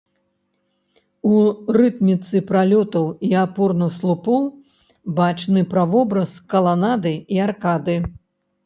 У рытміцы пралётаў і апорных слупоў бачны правобраз каланады і аркады.